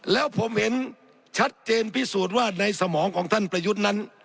แล้วผมเห็นชัดเจนพิสูจน์ว่าในสมองของท่านประยุทธ์นั้น